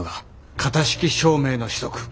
型式証明の取得。